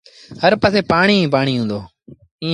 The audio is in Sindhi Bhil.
هر پآسي پآڻيٚ ئيٚ پآڻيٚ هُݩدو۔